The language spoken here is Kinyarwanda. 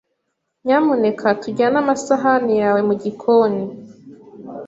Nyamuneka tujyane amasahani yawe mugikoni.